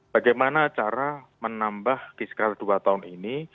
bagaimana cara menambah kisah karya dua tahun ini